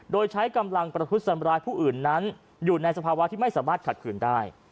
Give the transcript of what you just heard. โดยใช้กำลังประทุษสำรายผู้อื่นนั้นอยู่ในสภาวะที่ไม่สามารถขัดขืนได้